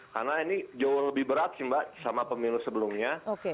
karena ini jauh lebih berat sih mbak sama pemilu sebelumnya